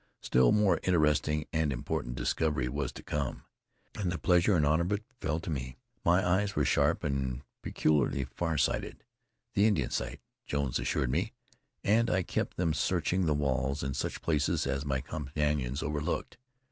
Still, a more interesting and important discovery was to come, and the pleasure and honor of it fell to me. My eyes were sharp and peculiarly farsighted the Indian sight, Jones assured me; and I kept them searching the walls in such places as my companions overlooked.